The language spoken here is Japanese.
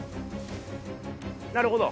なるほど。